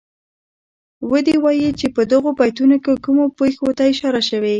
ودې وايي چه په دغو بیتونو کې کومو پېښو ته اشاره شوې.